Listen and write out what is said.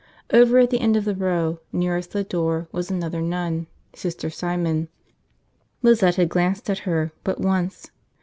Over at the end of the row, nearest the door, was another nun, Sister Simon. Lizette had glanced at her but once.